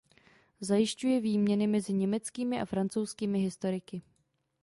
Zajišťuje výměny mezi německými a francouzskými historiky.